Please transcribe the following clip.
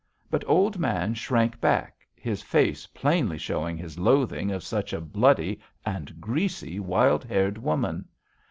"But Old Man shrank back, his face plainly showing his loathing of such a bloody and greasy, wild haired woman.